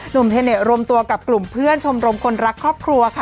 เทเนสรวมตัวกับกลุ่มเพื่อนชมรมคนรักครอบครัวค่ะ